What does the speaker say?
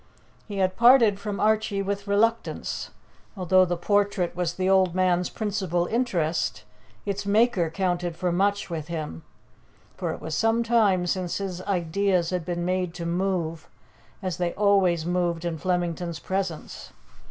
He had parted from Archie with reluctance. Although the portrait was the old man's principal interest, its maker counted for much with him; for it was some time since his ideas had been made to move as they always moved in Flemington's presence.